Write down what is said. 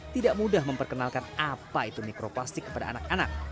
tidak mudah memperkenalkan apa itu mikroplastik kepada anak anak